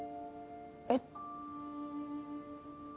えっ？